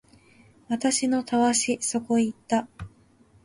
私のたわしそこ行った